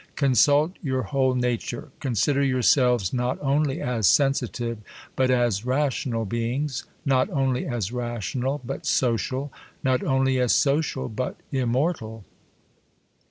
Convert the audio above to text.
Consult your whole nature. Consider yourselves not only as sensitive, but as rational beings ; not only as rational, but social ; not only as social, but imn\ortal.